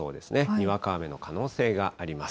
にわか雨の可能性があります。